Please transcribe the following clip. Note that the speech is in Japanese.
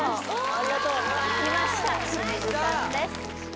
ありがとうきました清水さんです